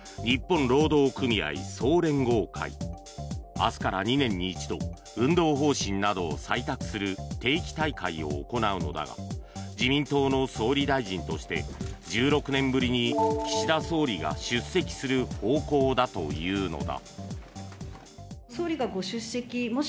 明日から２年に一度運動方針などを採択する定期大会を行うのだが自民党の総理大臣として１６年ぶりに岸田総理が出席する方向だというのだ。